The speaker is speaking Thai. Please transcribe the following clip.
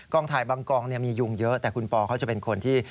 ถ่ายบางกองมียุงเยอะแต่คุณปอเขาจะเป็นคนที่